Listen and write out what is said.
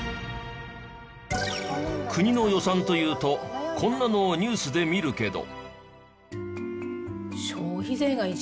国の予算というとこんなのをニュースで見るけど。